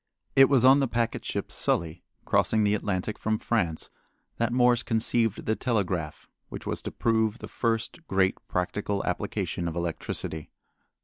It was on the packet ship Sully, crossing the Atlantic from France, that Morse conceived the telegraph which was to prove the first great practical application of electricity.